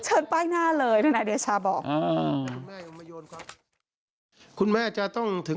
เชิญป้ายหน้าเลยท่านอาเดชาบอก